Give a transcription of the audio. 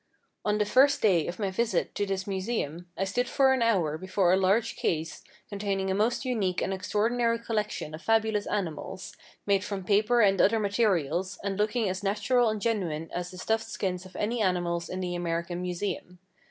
On the first day of my visit to this museum, I stood for an hour before a large case containing a most unique and extraordinary collection of fabulous animals, made from paper and other materials, and looking as natural and genuine as the stuffed skins of any animals in the American Museum.